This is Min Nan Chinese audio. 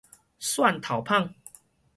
蒜頭麭